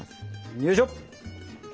よいしょ。